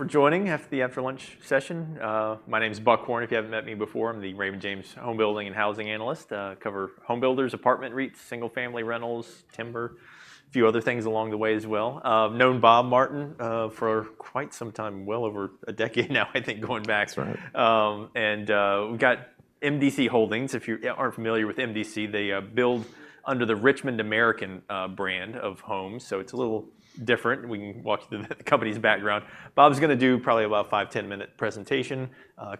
for joining the after lunch session. My name is Buck Horne. If you haven't met me before, I'm the Raymond James home building and housing analyst. Cover home builders, apartment REITs, single-family rentals, timber, a few other things along the way as well. I've known Bob Martin for quite some time, well over a decade now, I think, going back. That's right. We've got MDC Holdings. If you aren't familiar with MDC, they build under the Richmond American brand of homes, so it's a little different. We can walk through the company's background. Bob is gonna do probably about a 5-10-minute presentation,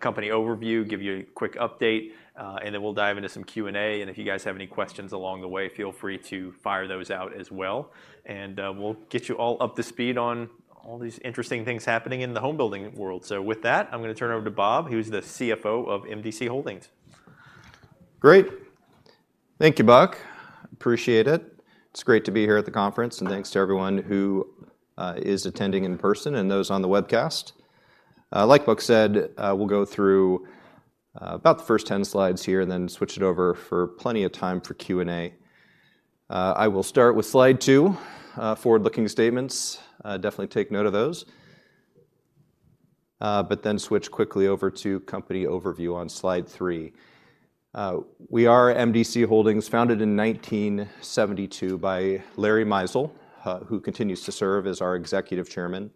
company overview, give you a quick update, and then we'll dive into some Q&A. If you guys have any questions along the way, feel free to fire those out as well. We'll get you all up to speed on all these interesting things happening in the home building world. With that, I'm gonna turn it over to Bob, who's the CFO of MDC Holdings. Great. Thank you, Buck. Appreciate it. It's great to be here at the conference, and thanks to everyone who is attending in person and those on the webcast. Like Buck said, we'll go through about the first 10 slides here and then switch it over for plenty of time for Q&A. I will start with slide 2, forward-looking statements. Definitely take note of those, but then switch quickly over to company overview on slide 3. We are MDC Holdings, founded in 1972 by Larry Mizel, who continues to serve as our Executive Chairman,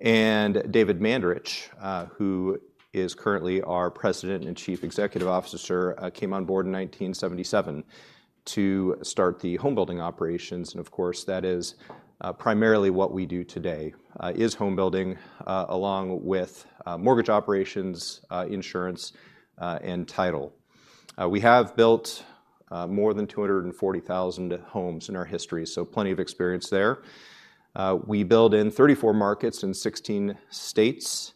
and David Mandarich, who is currently our President and Chief Executive Officer, came on board in 1977 to start the home building operations. Of course, that is primarily what we do today, is home building, along with mortgage operations, insurance, and title. We have built more than 240,000 homes in our history, so plenty of experience there. We build in 34 markets in 16 states,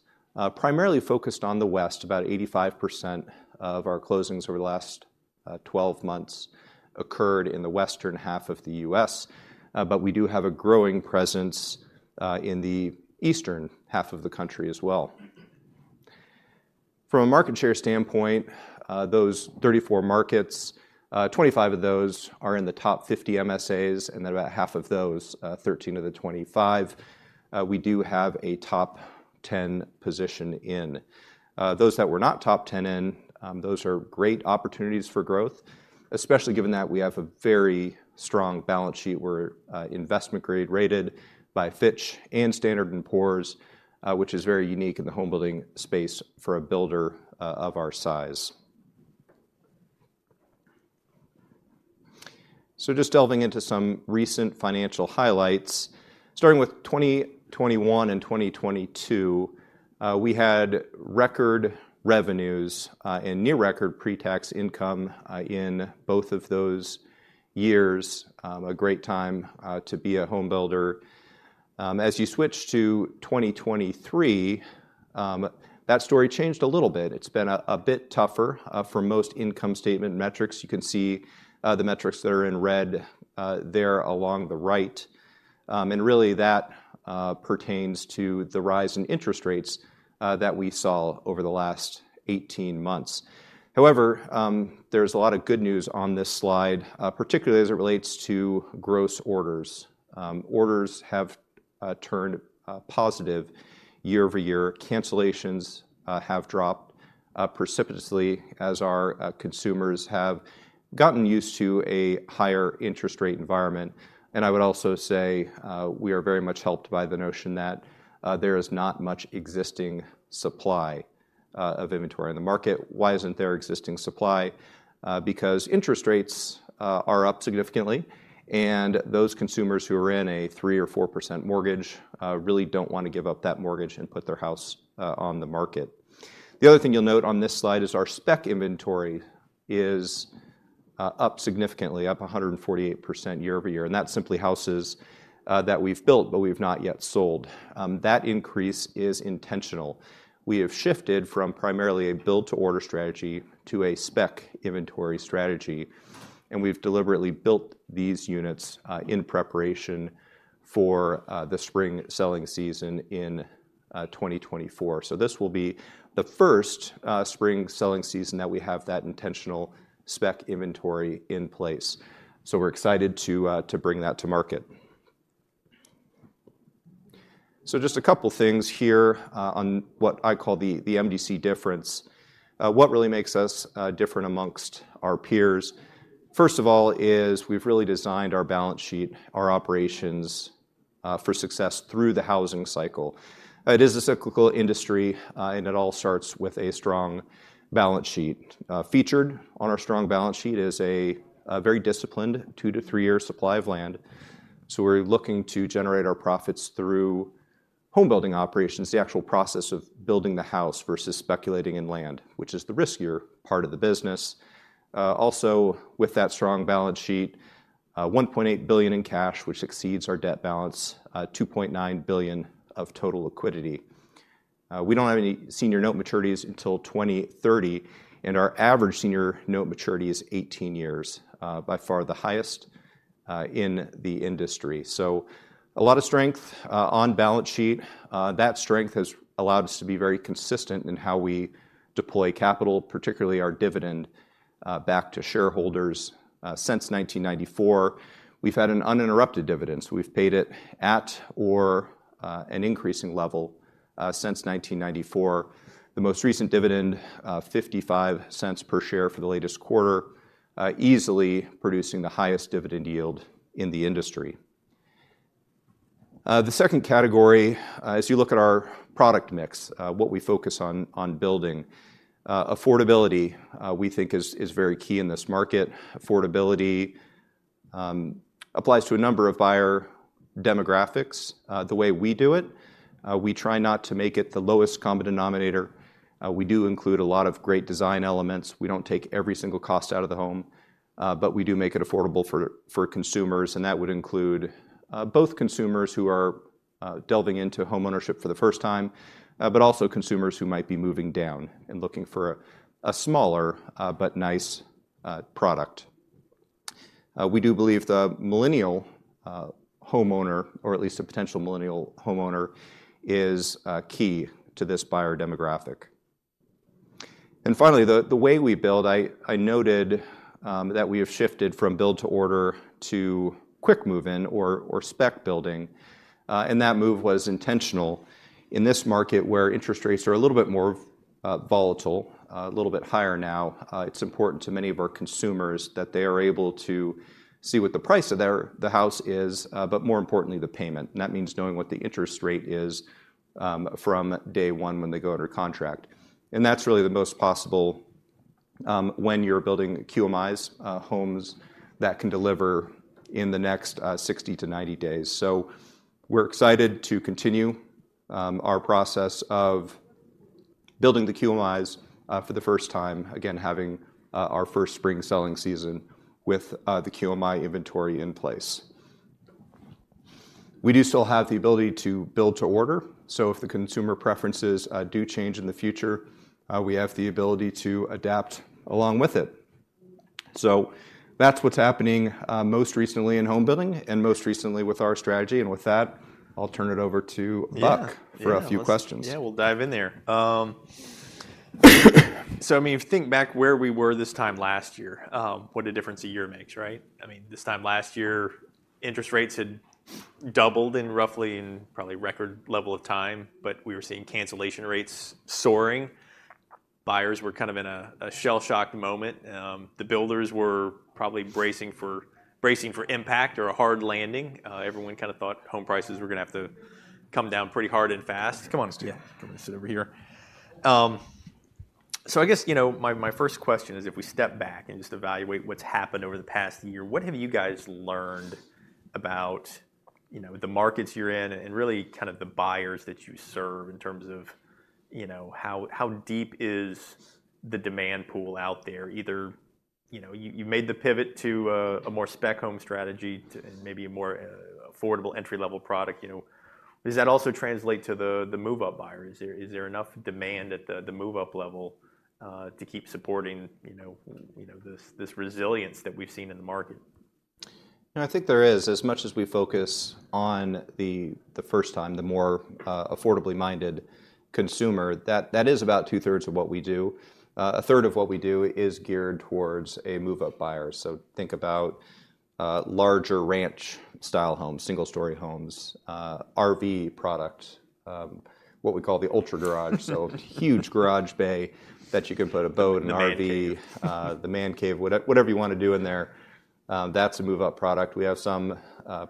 primarily focused on the West. About 85% of our closings over the last 12 months occurred in the western half of the U.S. But we do have a growing presence in the eastern half of the country as well. From a market share standpoint, those 34 markets, 25 of those are in the top 50 MSAs, and then about half of those, 13 of the 25, we do have a top 10 position in. Those that we're not top 10 in, those are great opportunities for growth, especially given that we have a very strong balance sheet. We're investment-grade rated by Fitch and Standard & Poor's, which is very unique in the home building space for a builder of our size. So just delving into some recent financial highlights, starting with 2021 and 2022, we had record revenues and near record pre-tax income in both of those years. A great time to be a home builder. As you switch to 2023, that story changed a little bit. It's been a bit tougher for most income statement metrics. You can see the metrics that are in red there along the right. Really, that pertains to the rise in interest rates that we saw over the last 18 months. However, there's a lot of good news on this slide, particularly as it relates to gross orders. Orders have turned positive year-over-year. Cancellations have dropped precipitously as our consumers have gotten used to a higher interest rate environment. And I would also say, we are very much helped by the notion that there is not much existing supply of inventory in the market. Why isn't there existing supply? Because interest rates are up significantly, and those consumers who are in a 3%-4% mortgage really don't want to give up that mortgage and put their house on the market. The other thing you'll note on this slide is our spec inventory is up significantly, up 148% year-over-year, and that's simply houses that we've built, but we've not yet sold. That increase is intentional. We have shifted from primarily a build-to-order strategy to a spec inventory strategy, and we've deliberately built these units in preparation for the spring selling season in 2024. This will be the first spring selling season that we have that intentional spec inventory in place. We're excited to bring that to market. Just a couple things here on what I call the MDC difference, what really makes us different amongst our peers. First of all, is we've really designed our balance sheet, our operations for success through the housing cycle. It is a cyclical industry, and it all starts with a strong balance sheet. Featured on our strong balance sheet is a very disciplined 2-3-year supply of land. So we're looking to generate our profits through home building operations, the actual process of building the house versus speculating in land, which is the riskier part of the business. Also with that strong balance sheet, $1.8 billion in cash, which exceeds our debt balance, $2.9 billion of total liquidity. We don't have any senior note maturities until 2030, and our average senior note maturity is 18 years, by far the highest in the industry. So a lot of strength on balance sheet. That strength has allowed us to be very consistent in how we deploy capital, particularly our dividend. Back to shareholders. Since 1994, we've had an uninterrupted dividends. We've paid it at or an increasing level since 1994. The most recent dividend, $0.55 per share for the latest quarter, easily producing the highest dividend yield in the industry. The 2nd category, as you look at our product mix, what we focus on building, affordability, we think is very key in this market. Affordability applies to a number of buyer demographics. The way we do it, we try not to make it the lowest common denominator. We do include a lot of great design elements. We don't take every single cost out of the home, but we do make it affordable for consumers, and that would include both consumers who are delving into homeownership for the first time, but also consumers who might be moving down and looking for a smaller, but nice, product. We do believe the millennial homeowner, or at least a potential millennial homeowner, is key to this buyer demographic. And finally, the way we build, I noted, that we have shifted from build to order to quick move-in or spec building, and that move was intentional. In this market, where interest rates are a little bit more volatile, a little bit higher now, it's important to many of our consumers that they are able to see what the price of the house is, but more importantly, the payment, and that means knowing what the interest rate is, from day 1 when they go under contract. That's really the most possible, when you're building QMIs, homes that can deliver in the next 60-90 days. We're excited to continue our process of building the QMIs, for the first time, again, having our first spring selling season with the QMI inventory in place. We do still have the ability to build to order, so if the consumer preferences do change in the future, we have the ability to adapt along with it. So that's what's happening most recently in home building and most recently with our strategy, and with that, I'll turn it over to Buck- Yeah. - for a few questions. Yeah, we'll dive in there. So, I mean, if you think back where we were this time last year, what a difference a year makes, right? I mean, this time last year, interest rates had doubled in roughly in probably record level of time, but we were seeing cancellation rates soaring. Buyers were kind of in a shell-shocked moment. The builders were probably bracing for impact or a hard landing. Everyone kinda thought home prices were gonna have to come down pretty hard and fast. Yeah. Come and sit over here. So I guess, you know, my, my first question is, if we step back and just evaluate what's happened over the past year, what have you guys learned about, you know, the markets you're in and really kind of the buyers that you serve in terms of, you know, how, how deep is the demand pool out there? Either, you know, you, you made the pivot to a, a more spec home strategy, and maybe a more, affordable entry-level product, you know. Does that also translate to the, the move-up buyer? Is there, is there enough demand at the, the move-up level, to keep supporting, you know, you know, this, this resilience that we've seen in the market? I think there is. As much as we focus on the first-time, the more affordably minded consumer, that is about 2/3 of what we do. A 1/3 of what we do is geared towards a move-up buyer. So think about larger ranch-style homes, single-story homes, RV products, what we call the UltraGarage. So huge garage bay that you can put a boat, an RV- The man cave.... the man cave, whatever you wanna do in there, that's a move-up product. We have some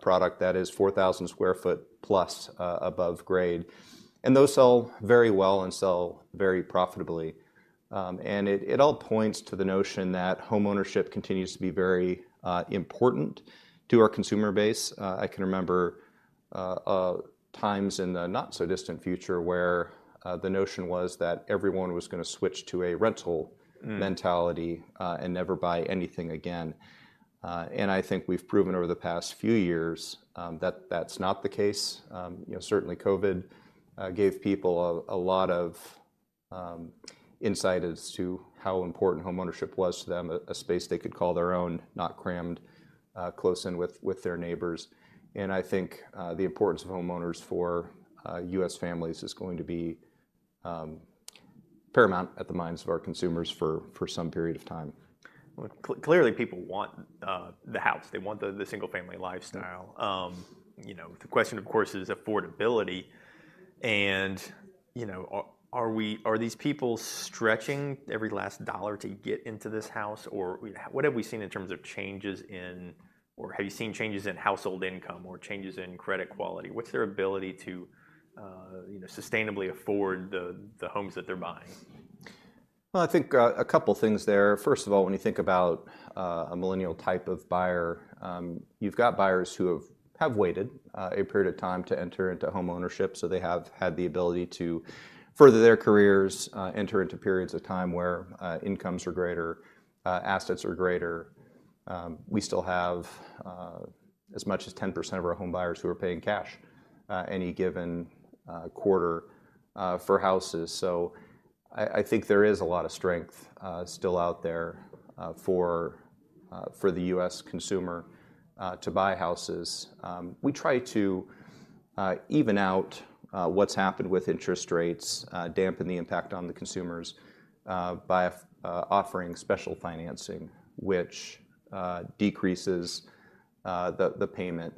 product that is 4,000 square foot plus, above grade, and those sell very well and sell very profitably. And it all points to the notion that homeownership continues to be very important to our consumer base. I can remember times in the not-so-distant future where the notion was that everyone was gonna switch to a rental- Mm... mentality, and never buy anything again. And I think we've proven over the past few years, that that's not the case. You know, certainly COVID gave people a lot of insight as to how important homeownership was to them, a space they could call their own, not crammed close in with their neighbors. And I think the importance of homeowners for U.S. families is going to be paramount at the minds of our consumers for some period of time. Well, clearly, people want the house. They want the single family lifestyle. Yeah. You know, the question, of course, is affordability and, you know, are we, are these people stretching every last dollar to get into this house, or... What have we seen in terms of changes in, or have you seen changes in household income or changes in credit quality? What's their ability to, you know, sustainably afford the homes that they're buying? Well, I think, a couple of things there. First of all, when you think about, a millennial type of buyer, you've got buyers who have waited, a period of time to enter into homeownership, so they have had the ability to further their careers, enter into periods of time where, incomes are greater, assets are greater. We still have, as much as 10% of our home buyers who are paying cash, any given, quarter, for houses. So I think there is a lot of strength, still out there, for the U.S. consumer, to buy houses. We try to even out what's happened with interest rates, dampen the impact on the consumers by offering special financing, which decreases the payment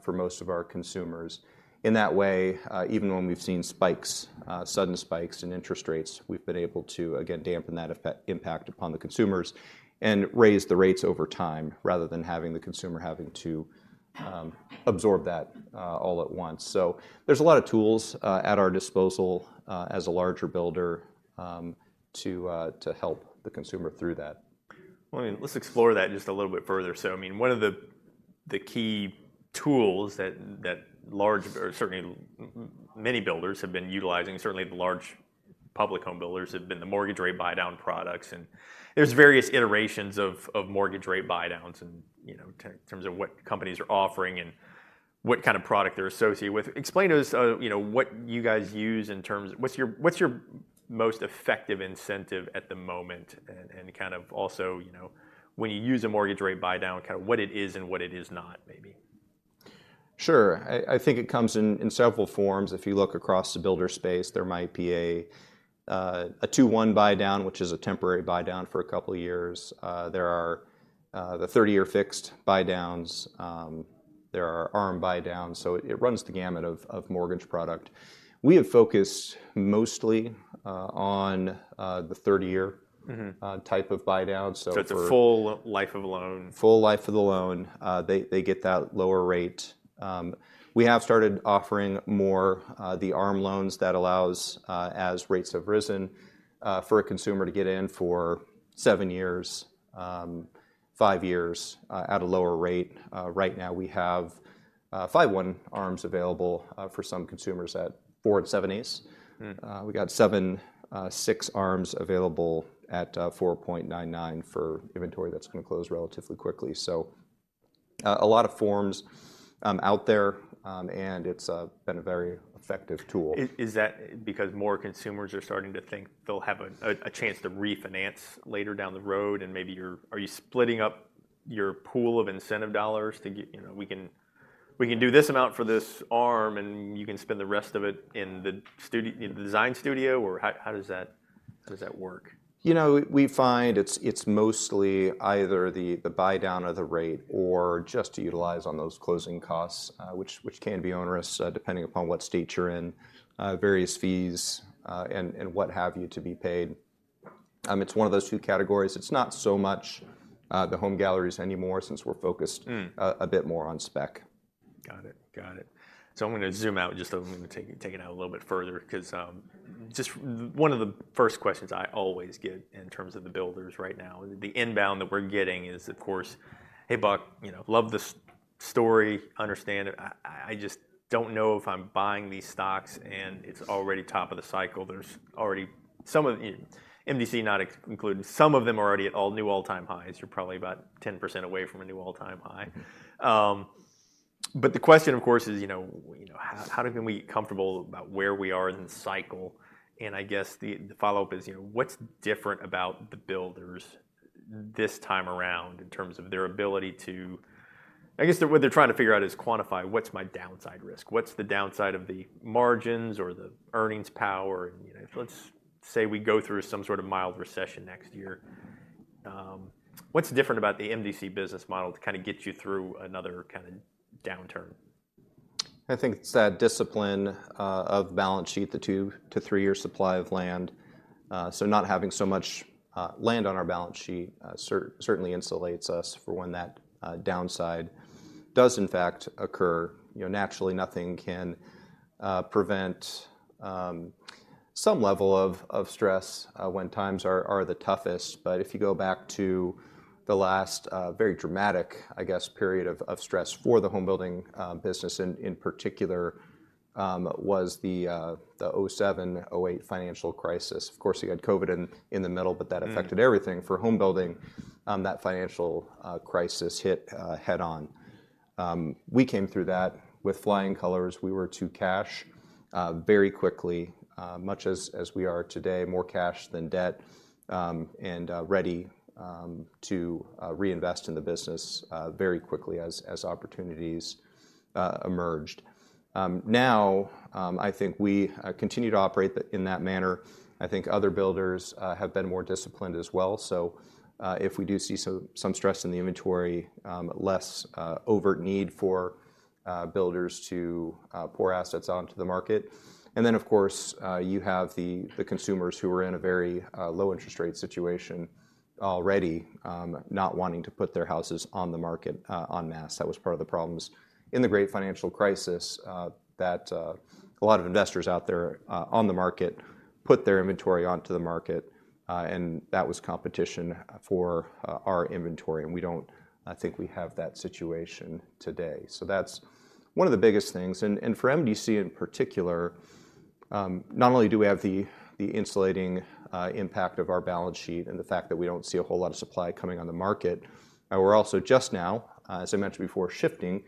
for most of our consumers. In that way, even when we've seen spikes, sudden spikes in interest rates, we've been able to, again, dampen that impact upon the consumers and raise the rates over time, rather than having the consumer having to absorb that all at once. So there's a lot of tools at our disposal as a larger builder to help the consumer through that. Well, let's explore that just a little bit further. So, I mean, one of the key tools that large or certainly many builders have been utilizing, certainly the large public home builders, have been the mortgage rate buydown products. And there's various iterations of mortgage rate buydowns and, you know, in terms of what companies are offering and what kind of product they're associated with. Explain to us, you know, what you guys use in terms—what's your, what's your most effective incentive at the moment? And kind of also, you know, when you use a mortgage rate buydown, kind of what it is and what it is not, maybe. Sure. I think it comes in several forms. If you look across the builder space, there might be a 2-1 buydown, which is a temporary buydown for a couple of years. There are the 30-year fixed buydowns. There are ARM buydowns. So it runs the gamut of mortgage product. We have focused mostly on the 30-year- Mm-hmm type of buydown, so for- So it's a full life of a loan. Full life of the loan. They get that lower rate. We have started offering more, the ARM loans that allows, as rates have risen, for a consumer to get in for 7 years, 5 years, at a lower rate. Right now, we have 5/1 ARMs available, for some consumers at 4.875%. Mm. We got 7/6 ARMs available at 4.99% for inventory that's gonna close relatively quickly. So, a lot of forms out there, and it's been a very effective tool. Is that because more consumers are starting to think they'll have a chance to refinance later down the road, and maybe you're... Are you splitting up your pool of incentive dollars to get, you know, we can do this amount for this ARM, and you can spend the rest of it in the design studio, or how does that work? You know, we find it's mostly either the buydown or the rate or just to utilize on those closing costs, which can be onerous, depending upon what state you're in, various fees, and what have you, to be paid. It's one of those 2 categories. It's not so much the Home Galleries anymore, since we're focused- Mm a bit more on spec. Got it. I'm gonna zoom out, just I'm gonna take it out a little bit further, 'cause just one of the first questions I always get in terms of the builders right now, the inbound that we're getting is, of course: "Hey, Buck, you know, love this story, understand it. I, I just don't know if I'm buying these stocks, and it's already top of the cycle." There's already some of the... MDC not included. Some of them are already at all-new all-time highs, or probably about 10% away from a new all-time high. But the question, of course, is, you know, you know, how can we be comfortable about where we are in the cycle? And I guess the follow-up is, you know, what's different about the builders this time around in terms of their ability to... I guess, what they're trying to figure out is quantify, what's my downside risk? What's the downside of the margins or the earnings power? You know, if let's say we go through some sort of mild recession next year, what's different about the MDC business model to kinda get you through another kinda downturn? I think it's that discipline of balance sheet, the 2-3-year supply of land. So not having so much land on our balance sheet certainly insulates us for when that downside does in fact occur. You know, naturally, nothing can prevent some level of stress when times are the toughest. But if you go back to the last very dramatic, I guess, period of stress for the home building business, and in particular, was the 2007, 2008 financial crisis. Of course, you had COVID in the middle- Mm but that affected everything. For home building, that financial crisis hit head on. We came through that with flying colors. We were to cash very quickly, much as, as we are today, more cash than debt, and ready to reinvest in the business very quickly as opportunities emerged. Now, I think we continue to operate in that manner. I think other builders have been more disciplined as well. So, if we do see some stress in the inventory, less overt need for builders to pour assets out into the market. And then, of course, you have the consumers who are in a very low interest rate situation already, not wanting to put their houses on the market en masse. That was part of the problems in the Great Financial Crisis, that a lot of investors out there on the market put their inventory onto the market, and that was competition for our inventory, and we don't... I think we have that situation today. So that's one of the biggest things. And for MDC in particular, not only do we have the insulating impact of our balance sheet and the fact that we don't see a whole lot of supply coming on the market, we're also just now, as I mentioned before, shifting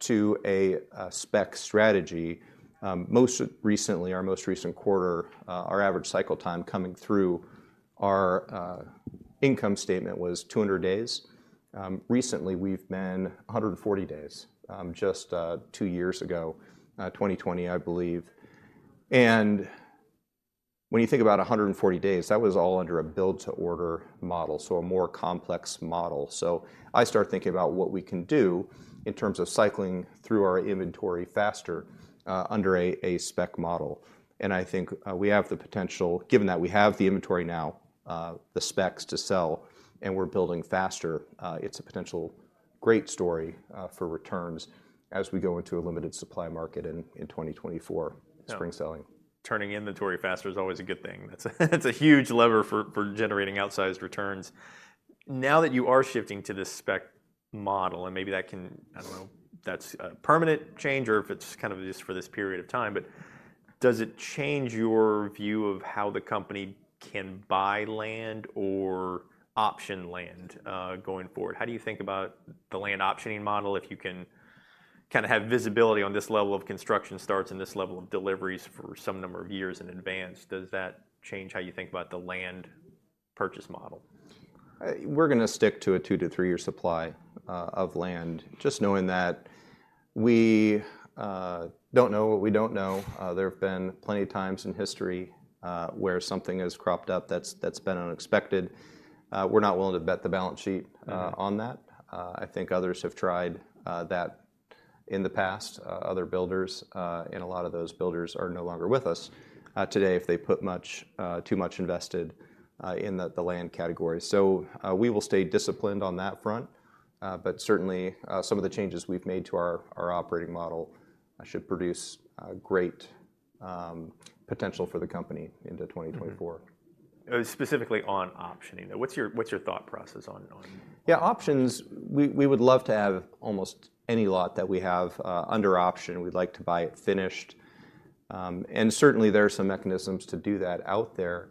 to a spec strategy. Most recently, our most recent quarter, our average cycle time coming through our income statement was 200 days. Recently, we've been 140 days. Just 2 years ago, 2020, I believe. When you think about 140 days, that was all under a build-to-order model, so a more complex model. So I start thinking about what we can do in terms of cycling through our inventory faster, under a spec model. And I think we have the potential, given that we have the inventory now, the specs to sell, and we're building faster, it's a potential great story for returns as we go into a limited supply market in 2024- Yeah -spring selling. Turning inventory faster is always a good thing. That's a huge lever for generating outsized returns. Now that you are shifting to this spec model, and maybe that can... I don't know if that's a permanent change or if it's kind of just for this period of time, but does it change your view of how the company can buy land or option land, going forward? How do you think about the land optioning model, if you can kind of have visibility on this level of construction starts and this level of deliveries for some number of years in advance, does that change how you think about the land purchase model? We're gonna stick to a 2-3-year supply of land. Just knowing that we don't know what we don't know. There have been plenty of times in history where something has cropped up that's been unexpected. We're not willing to bet the balance sheet. Mm I think others have tried that in the past, other builders, and a lot of those builders are no longer with us today, if they put much too much invested in the land category. So, we will stay disciplined on that front, but certainly, some of the changes we've made to our operating model should produce great potential for the company into 2024. Specifically on optioning, what's your thought process on- Yeah, options, we would love to have almost any lot that we have under option. We'd like to buy it finished. And certainly there are some mechanisms to do that out there.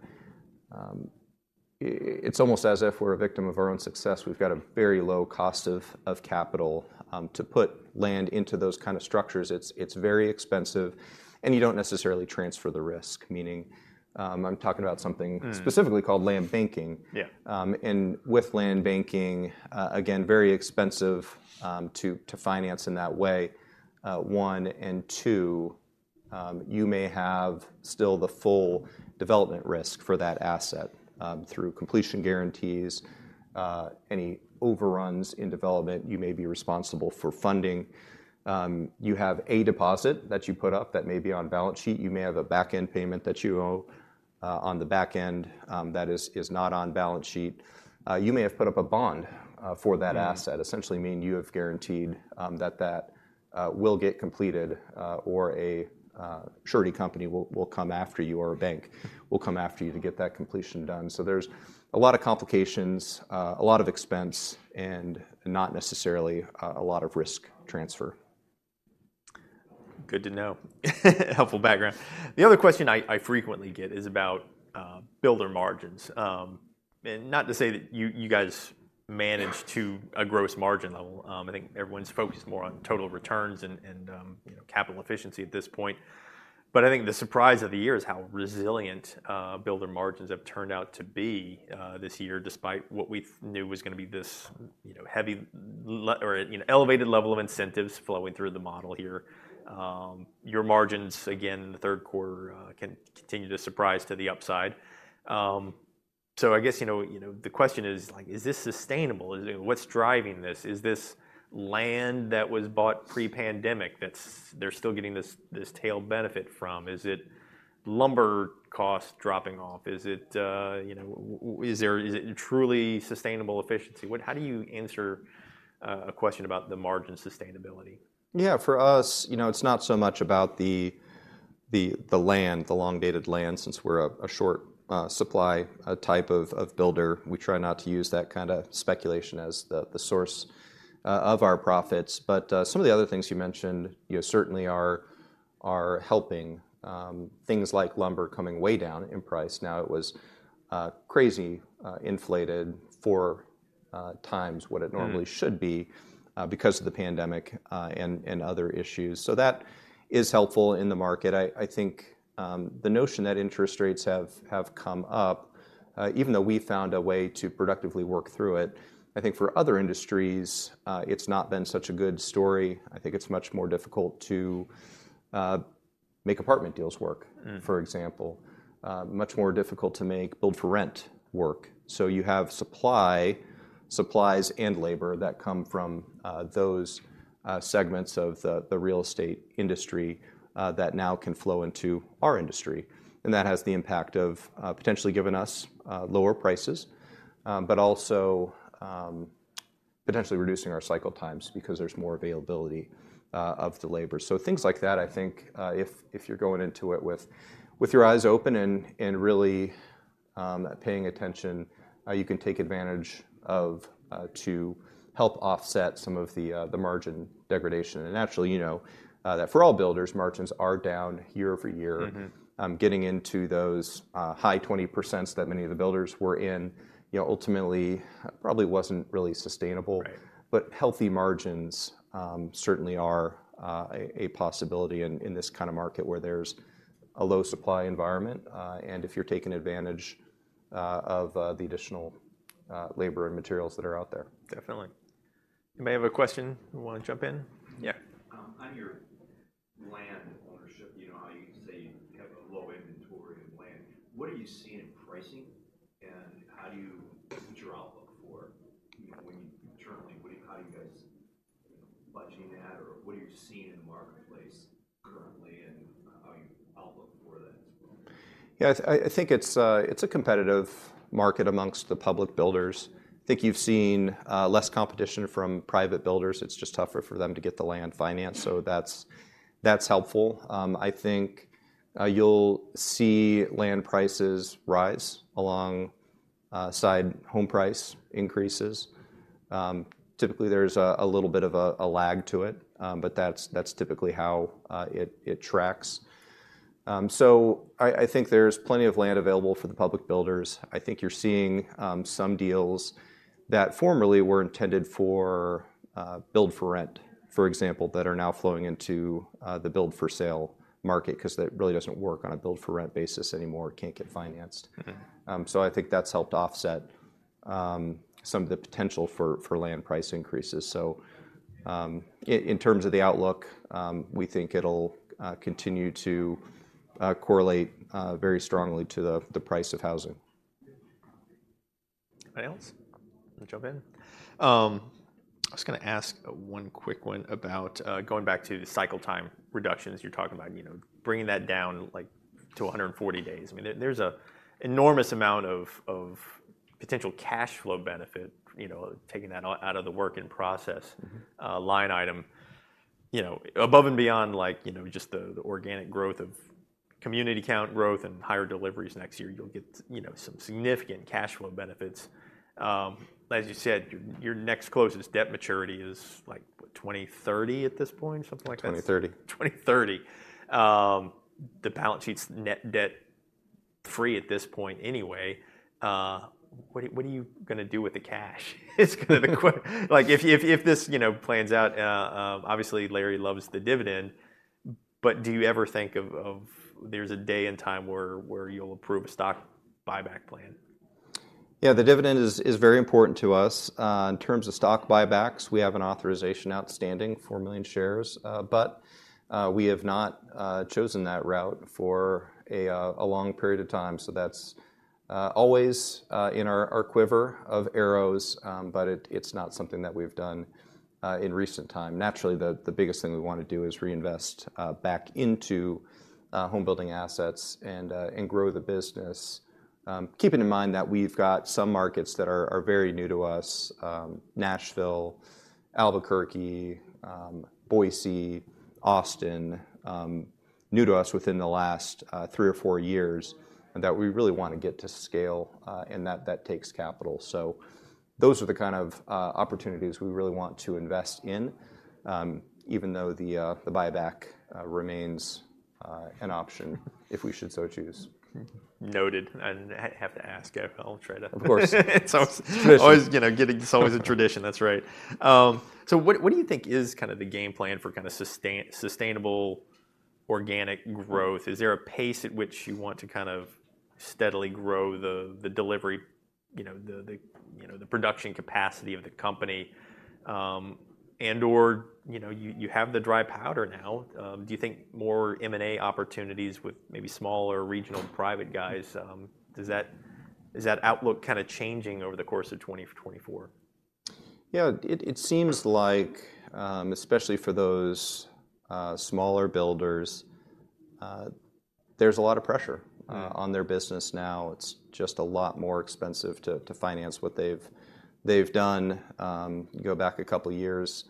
It's almost as if we're a victim of our own success. We've got a very low cost of capital. To put land into those kind of structures, it's very expensive, and you don't necessarily transfer the risk, meaning I'm talking about something- Mm specifically called land banking. Yeah. With land banking, again, very expensive to finance in that way, 1. And 2, you may have still the full development risk for that asset through completion guarantees. Any overruns in development, you may be responsible for funding. You have a deposit that you put up that may be on balance sheet. You may have a back-end payment that you owe on the back end that is not on balance sheet. You may have put up a bond for that asset- Mm essentially mean you have guaranteed that will get completed, or a surety company will come after you, or a bank will come after you to get that completion done. So there's a lot of complications, a lot of expense, and not necessarily a lot of risk transfer. Good to know. Helpful background. The other question I frequently get is about builder margins. And not to say that you guys manage to- a gross margin level. I think everyone's focused more on total returns and, and, you know, capital efficiency at this point. But I think the surprise of the year is how resilient builder margins have turned out to be this year, despite what we knew was gonna be this, you know, elevated level of incentives flowing through the model here. Your margins, again, in the Q3, continued to surprise to the upside. So I guess, you know, you know, the question is, like: Is this sustainable? Is what's driving this? Is this land that was bought pre-pandemic, that's they're still getting this, this tail benefit from? Is it lumber cost dropping off? Is it, you know, is there, is it truly sustainable efficiency? What, how do you answer a question about the margin sustainability? Yeah, for us, you know, it's not so much about the land, the long-dated land, since we're a short supply type of builder. We try not to use that kind of speculation as the source of our profits. But, some of the other things you mentioned, you know, certainly are helping. Things like lumber coming way down in price. Now, it was crazy inflated 4 times what it normally- Mm should be, because of the pandemic, and other issues. So that is helpful in the market. I think the notion that interest rates have come up, even though we found a way to productively work through it, I think for other industries, it's not been such a good story. I think it's much more difficult to make apartment deals work- Mm for example. Much more difficult to make build-for-rent work. So you have supply, supplies and labor that come from those segments of the real estate industry that now can flow into our industry. And that has the impact of potentially giving us lower prices, but also potentially reducing our cycle times because there's more availability of the labor. So things like that, I think, if you're going into it with your eyes open and really paying attention, you can take advantage of to help offset some of the margin degradation. And naturally, you know, that for all builders, margins are down year-over-year. Mm-hmm. Getting into those high 20%s that many of the builders were in, you know, ultimately, probably wasn't really sustainable. Right. But healthy margins certainly are a possibility in this kind of market where there's a low supply environment, and if you're taking advantage of the additional labor and materials that are out there. Definitely. Anybody have a question and wanna jump in? Yeah. On your land ownership, you know how you say you have a low inventory of land, what are you seeing in pricing, and how do you- what's your outlook for, you know, when you- internally, what do you- how are you guys budging that, or what are you seeing in the marketplace currently, and, how you outlook for that as well? Yeah, I think it's a competitive market amongst the public builders. I think you've seen less competition from private builders. It's just tougher for them to get the land financed, so that's helpful. I think you'll see land prices rise alongside home price increases. Typically, there's a little bit of a lag to it, but that's typically how it tracks. So I think there's plenty of land available for the public builders. I think you're seeing some deals that formerly were intended for build for rent, for example, that are now flowing into the build for sale market 'cause that really doesn't work on a build for rent basis anymore. It can't get financed. Mm-hmm. I think that's helped offset some of the potential for land price increases. In terms of the outlook, we think it'll continue to correlate very strongly to the price of housing. Anybody else wanna jump in? I was gonna ask one quick one about going back to the cycle time reductions. You're talking about, you know, bringing that down, like, to 140 days. I mean, there's an enormous amount of potential cash flow benefit, you know, taking that out of the work in process- Mm-hmm line item, you know, above and beyond, like, you know, just the organic growth of community count growth and higher deliveries next year, you'll get you know, some significant cash flow benefits. As you said, your next closest debt maturity is, like, what, 2030 at this point, something like that? 2030. 2030. The balance sheet's net debt-free at this point anyway. What are, what are you gonna do with the cash? It's kinda the que- Like, if, if, if this, you know, plans out, obviously, Larry loves the dividend, but do you ever think of, of there's a day and time where, where you'll approve a stock buyback plan? Yeah, the dividend is very important to us. In terms of stock buybacks, we have an authorization outstanding, 4 million shares, but we have not chosen that route for a long period of time. So that's always in our quiver of arrows, but it's not something that we've done in recent time. Naturally, the biggest thing we wanna do is reinvest back into home building assets and grow the business. Keeping in mind that we've got some markets that are very new to us, Nashville, Albuquerque, Boise, Austin, new to us within the last 3 or 4 years, and that we really wanna get to scale, and that takes capital. Those are the kind of opportunities we really want to invest in, even though the buyback remains an option if we should so choose. Noted. And I have to ask, I'll try to- Of course. Always, you know, It's always a tradition. That's right. So what do you think is kinda the game plan for kinda sustainable organic growth? Is there a pace at which you want to kind of steadily grow the delivery, you know, the production capacity of the company, and/or, you know, you have the dry powder now. Do you think more M&A opportunities with maybe smaller regional private guys? Is that outlook kinda changing over the course of 2024? Yeah, it seems like, especially for those smaller builders, there's a lot of pressure- Mm on their business now. It's just a lot more expensive to finance what they've done. You go back a couple of years,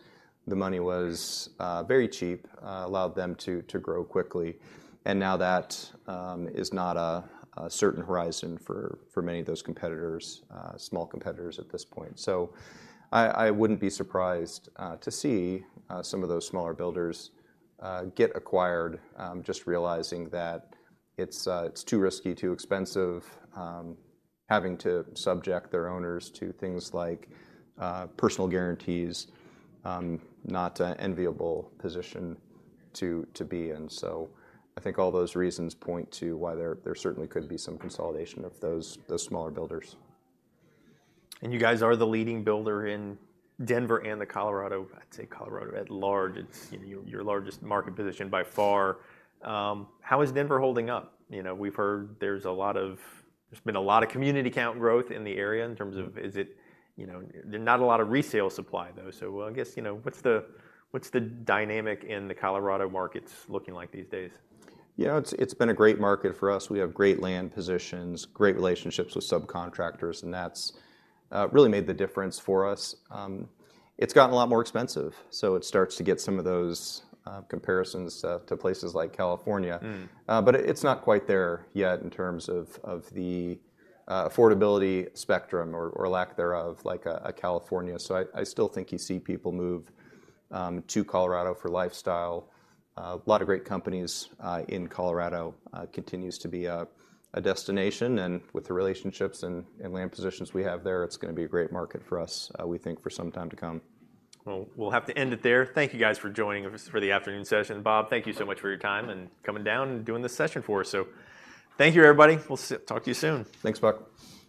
the money was very cheap, allowed them to grow quickly, and now that is not a certain horizon for many of those competitors, small competitors at this point. So I wouldn't be surprised to see some of those smaller builders get acquired, just realizing that it's too risky, too expensive, having to subject their owners to things like personal guarantees, not an enviable position to be in. So I think all those reasons point to why there certainly could be some consolidation of those smaller builders. You guys are the leading builder in Denver and Colorado. I'd say Colorado at large. It's, you know, your largest market position by far. How is Denver holding up? You know, we've heard there's been a lot of community count growth in the area in terms of... Is it, you know, there not a lot of resale supply, though, so I guess, you know, what's the, what's the dynamic in the Colorado markets looking like these days? Yeah, it's, it's been a great market for us. We have great land positions, great relationships with subcontractors, and that's really made the difference for us. It's gotten a lot more expensive, so it starts to get some of those comparisons to places like California. Mm. But it's not quite there yet in terms of the affordability spectrum or lack thereof, like California. So I still think you see people move to Colorado for lifestyle. A lot of great companies in Colorado continues to be a destination, and with the relationships and land positions we have there, it's gonna be a great market for us, we think, for some time to come. Well, we'll have to end it there. Thank you guys for joining us for the afternoon session. Bob, thank you so much for your time and coming down and doing this session for us. So thank you, everybody. We'll talk to you soon. Thanks, Buck.